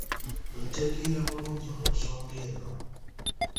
Ntegeera bulungi mu nsonga eno.